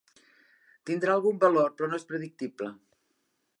Tindrà "algun" valor però no es predictible.